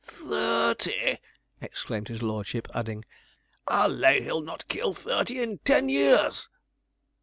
'Th i r ty!' exclaimed his lordship, adding, 'I'll lay he'll not kill thirty in ten years.'